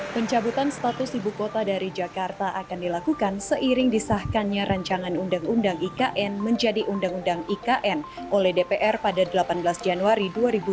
pencabutan status ibu kota dari jakarta akan dilakukan seiring disahkannya rancangan undang undang ikn menjadi undang undang ikn oleh dpr pada delapan belas januari dua ribu dua puluh